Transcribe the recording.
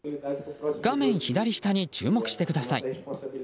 画面左下に注目してください。